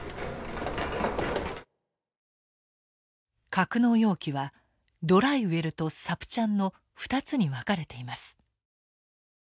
格納容器はドライウェルとサプチャンの２つに分かれています。